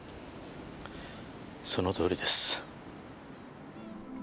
そのとおりです。